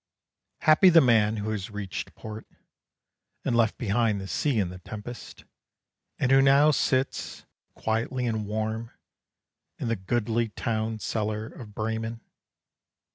Happy the man who has reached port, And left behind the sea and the tempest, And who now sits, quietly and warm, In the goodly town cellar of Bremen.